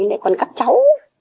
nãy còn các cháu